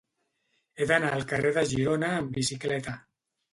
He d'anar al carrer de Girona amb bicicleta.